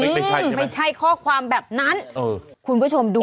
ไม่ใช่ข้อความแบบนั้น